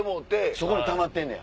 そこにたまってんねや。